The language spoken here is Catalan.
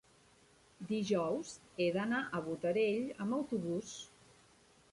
dijous he d'anar a Botarell amb autobús.